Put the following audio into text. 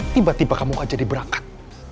tiba tiba kamu aja diberangkat